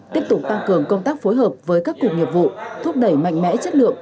tiếp tục tăng cường công tác phối hợp với các cục nghiệp vụ thúc đẩy mạnh mẽ chất lượng